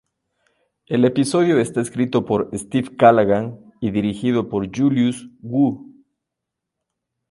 El episodio está escrito por Steve Callaghan y dirigido por Julius Wu.